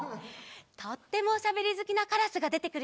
とってもおしゃべりずきなカラスがでてくるよ！